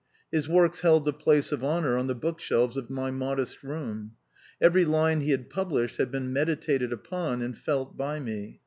His works held the place of honour on the book shelves of my modest room. Every line he had published had been meditated upon and felt by me.